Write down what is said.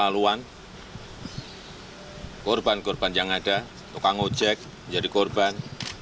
keterlaluan korban korban yang ada tokang ojek menjadi korban